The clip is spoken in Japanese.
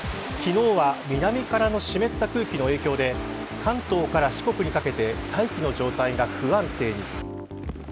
昨日は南からの湿った空気の影響で関東から四国にかけて大気の状態が不安定に。